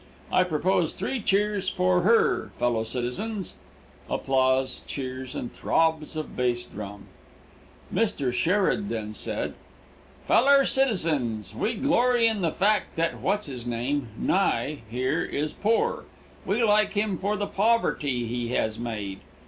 I propose three cheers for her, fellow citizens." (Applause, cheers and throbs of base drum.) Mr. Sherrod then said: "FELLER CITIZENS: We glory in the fact that Whatshisname Nye here, is pore. We like him for the poverty he has made.